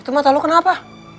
itu mata lo kenapa